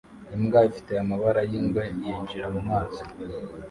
Imbwa ifite amabara yingwe yinjira mumazi